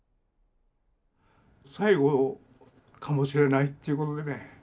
最後かもしれないっていうことでね。